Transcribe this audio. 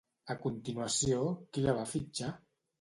A continuació, qui la va fitxar?